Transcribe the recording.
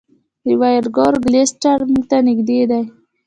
د ویرګو کلسټر موږ ته نږدې دی.